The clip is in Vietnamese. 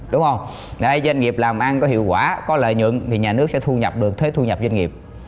doanh nghiệp làm ăn có hiệu quả có lợi nhuận thì nhà nước sẽ thu nhập được thuế thu nhập doanh nghiệp